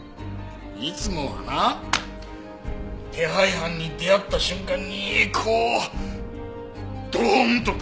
いつもはな手配犯に出会った瞬間にこうドーンとくるのよ。